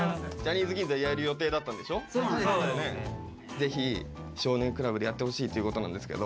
ぜひ「少年倶楽部」でやってほしいということなんですけど。